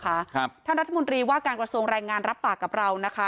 ครับท่านรัฐมนตรีว่าการกระทรวงแรงงานรับปากกับเรานะคะ